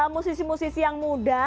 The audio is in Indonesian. musisi musisi yang muda